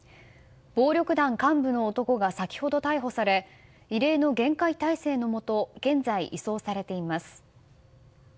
暴力団幹部の男が先ほど、逮捕され異例の厳戒態勢のもと現在、移送されています。